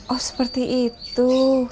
oh seperti itu